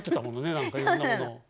何かいろんなものを。